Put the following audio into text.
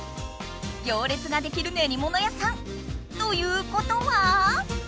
行列ができるねりもの屋さん！ということは？